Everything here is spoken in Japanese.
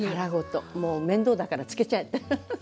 もう面倒だから漬けちゃえってフフフ。